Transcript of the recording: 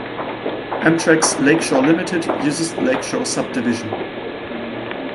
Amtrak's "Lake Shore Limited" uses the Lake Shore Subdivision.